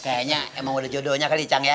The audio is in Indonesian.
kayaknya emang udah jodohnya kali cang ya